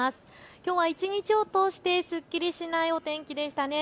きょうは一日を通してすっきりしないお天気でしたね。